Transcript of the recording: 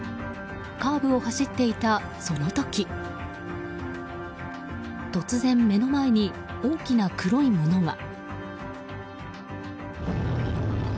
カーブを走っていた、その時突然、目の前に大きな黒いものが。